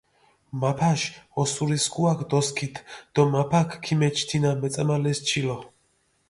მაფაში ოსურისქუაქ დოსქიდჷ დო მაფაქ ქიმეჩჷ თინა მეწამალეს ჩილო.